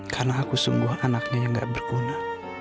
karena aku sungguh anaknya yang gak berguna